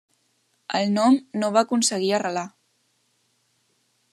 El nom no va aconseguir arrelar.